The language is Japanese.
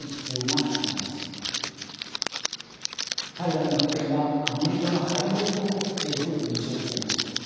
タリバンの復権はアメリカの敗北を強く印象づけました。